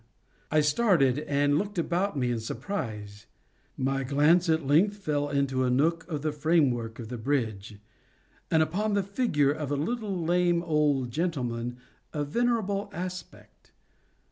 I started, and looked about me in surprise. My glance at length fell into a nook of the frame—work of the bridge, and upon the figure of a little lame old gentleman of venerable aspect.